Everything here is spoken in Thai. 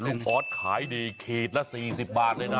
ลูกออสขายดีเขตละ๔๐บาทเลยนะ